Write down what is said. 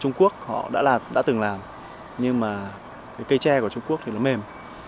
trung quốc họ đã từng làm nhưng mà cây tre của trung quốc thì nó mềm